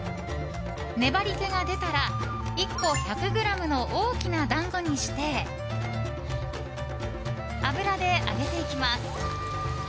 粘り気が出たら１個１００ｇの大きな団子にして油で揚げていきます。